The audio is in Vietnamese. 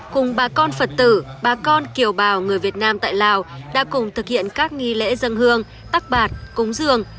cùng bà con phật tử bà con kiều bào người việt nam tại lào đã cùng thực hiện các nghi lễ dân hương tắc bạt cúng dường